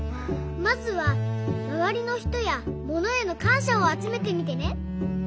まずはまわりのひとやものへのかんしゃをあつめてみてね。